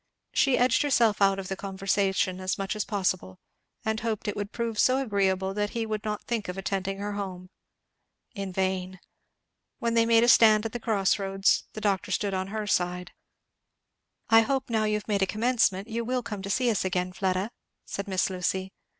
She edged herself out of the conversation as much as possible, and hoped it would prove so agreeable that he would not think of attending her home. In vain. When they made a stand at the cross roads the doctor stood on her side. "I hope, now you've made a commencement, you will come to see us again, Fleda," said Miss Lucy.